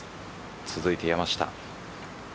続いて山下。